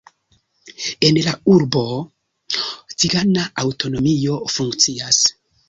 En la urbo cigana aŭtonomio funkcias.